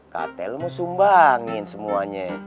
kata lo mau sumbangin semuanya